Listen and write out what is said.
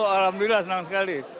alhamdulillah senang sekali